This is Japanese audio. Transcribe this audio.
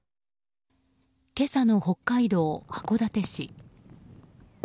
今朝の北海道函館市。